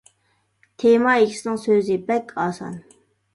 تېما ئىگىسىنىڭ سۆزى : بەك ئاسان.